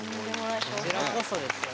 こちらこそですよ。